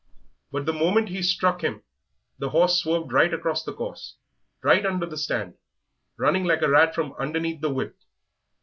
But the moment he struck him the horse swerved right across the course, right under the stand, running like a rat from underneath the whip.